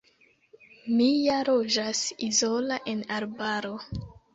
Mi ja loĝas izola, en arbaro.